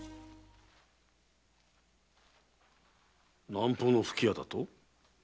南方の吹き矢だと？